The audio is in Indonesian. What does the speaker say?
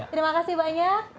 terima kasih banyak